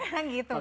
tapi gitu doang